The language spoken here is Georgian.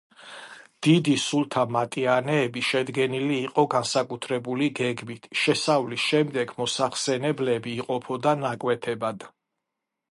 დიდი „სულთა მატიანეები“ შედგენილი იყო განსაკუთრებული გეგმით; შესავლის შემდეგ მოსახსენებლები იყოფოდა ნაკვეთებად.